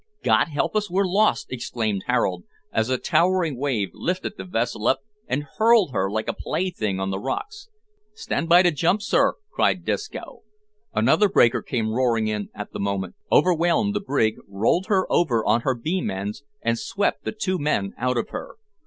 "God help us, we're lost!" exclaimed Harold, as a towering wave lifted the vessel up and hurled her like a plaything on the rocks. "Stand by to jump, sir," cried Disco. Another breaker came roaring in at the moment, overwhelmed the brig, rolled her over on her beam ends, and swept the two men out of her.